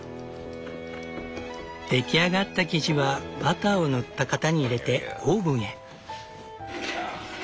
出来上がった生地はバターを塗った型に入れてオーブンへ。